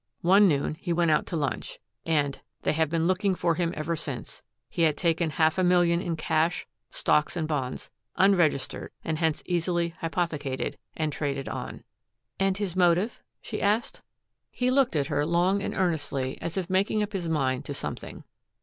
"One noon he went out to lunch and they have been looking for him ever since. He had taken half a million in cash, stocks, and bonds, unregistered and hence easily hypothecated and traded on." "And his motive?" she asked. He looked at her long and earnestly as if making up his mind to something.